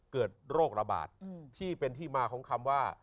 เกิดโรคระบาดที่เป็นที่มาของคำว่า